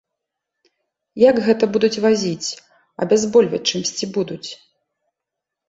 Як гэта будуць вазіць, абязбольваць чымсьці будуць.